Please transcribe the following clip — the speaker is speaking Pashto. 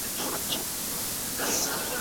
هغه کتابونه چي تازه چاپ شوي دي په غور سره ولولئ.